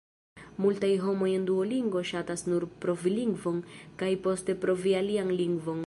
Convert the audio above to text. Multaj homoj en Duolingo ŝatas nur provi lingvon kaj poste provi alian lingvon.